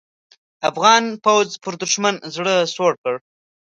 افغان پوځ پر دوښمن زړه سوړ کړ.